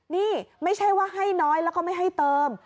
นี่ไม่ใช่ว่าให้น้อยแล้วก็ไม่ให้เติม